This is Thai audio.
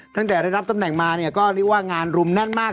ตั้งแต่ได้รับตำแหน่งมาเนี่ยก็เรียกว่างานรุมแน่นมาก